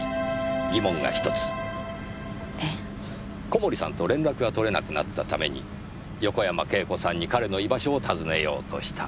小森さんと連絡が取れなくなったために横山慶子さんに彼の居場所を尋ねようとした。